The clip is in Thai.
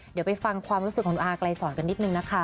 เดี๋ยวไปฟังความรู้สึกของอาไกลสอนกันนิดนึงนะคะ